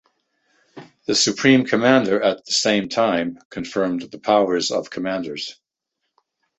The Supreme Commander at the same time confirmed the powers of commanders.